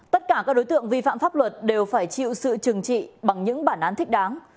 tất cả các đối tượng vi phạm pháp luật đều phải chịu sự trừng trị bằng những bản án thích đáng